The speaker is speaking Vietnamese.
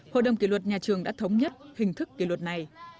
hội đồng kỷ luật nhà trường đã thống nhất hình thức kỷ luật này